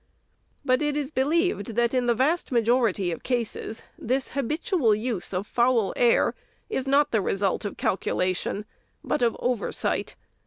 But it is believed, that, in the vast majority of cases, this habitual use of foul air is not the result of calcula tion, but of oversight.